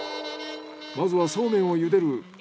まずはそうめんを茹でる。